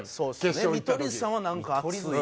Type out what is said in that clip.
見取り図さんはなんか熱い。